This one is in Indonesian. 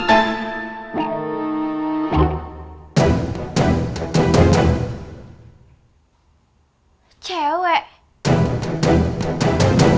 aku mau ke rumah